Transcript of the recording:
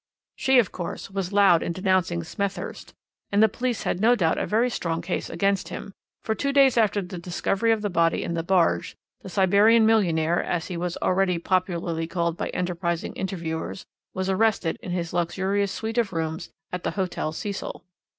"She, of course, was loud in denouncing Smethurst, and the police had no doubt a very strong case against him, for two days after the discovery of the body in the barge, the Siberian millionaire, as he was already popularly called by enterprising interviewers, was arrested in his luxurious suite of rooms at the Hotel Cecil.